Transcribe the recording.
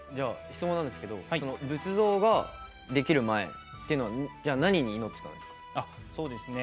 質問なんですけど仏像ができる前というのは何に祈ってたんですか？